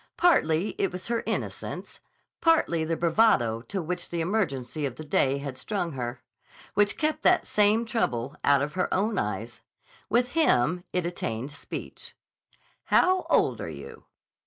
Partly it was her innocence, partly the bravado to which the emergency of the day had strung her, which kept that same trouble out of her own eyes. With him it attained speech. "How old are you?"